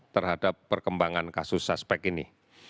terhadap perkembangan kasus suspek ini